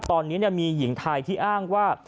ตอนนี้มีหญิงไทยที่อ้างว่า